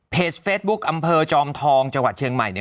เฟซบุ๊กอำเภอจอมทองจังหวัดเชียงใหม่เนี่ย